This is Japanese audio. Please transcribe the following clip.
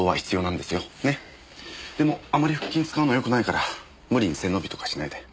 でもあまり腹筋使うのはよくないから無理に背伸びとかしないで。